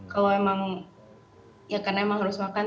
kalau emang ya karena emang harus makan